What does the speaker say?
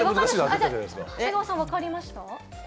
長谷川さん、分かりました？